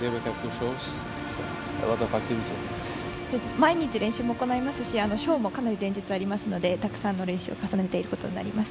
毎日練習も行いますしショーもかなり連日ありますのでたくさんの練習を重ねていることになります。